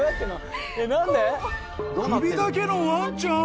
［首だけのワンちゃん！？